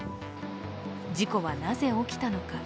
事故はなぜ起きたのか。